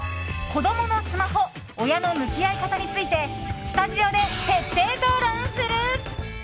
子供のスマホ親の向き合い方についてスタジオで徹底討論する。